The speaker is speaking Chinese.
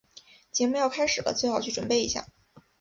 节目要开始了，最好去准备一下。